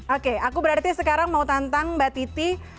oke aku berarti sekarang mau tantang mbak titi